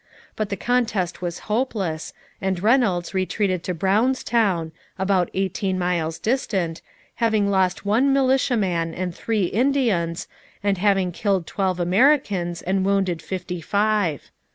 But the contest was hopeless, and Reynolds retreated to Brownstown, about eighteen miles distant, having lost one militiaman and three Indians, and having killed twelve Americans and wounded fifty five.